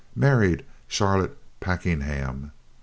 Married Charlotte Packenham.